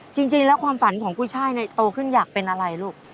จริงแล้วความฝันของกุ้ยช่ายโตขึ้นอยากเป็นอะไรลูก